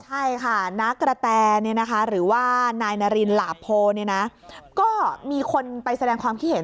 ใช่ค่ะน้ากระแตหรือว่านายนารินหลาโพก็มีคนไปแสดงความคิดเห็น